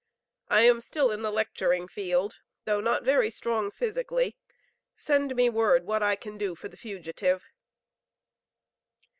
I am still in the lecturing field, though not very strong physically.... Send me word what I can do for the fugitive."